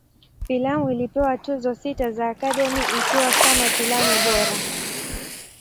Filamu ilipewa Tuzo sita za Academy, ikiwa kama filamu bora.